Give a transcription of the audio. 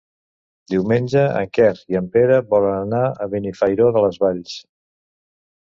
Diumenge en Quer i en Pere volen anar a Benifairó de les Valls.